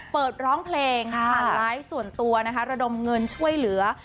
เปิดร้องเพลงผ่านไลฟ์ส่วนตัวนะคะระดมเงินช่วยเหลือ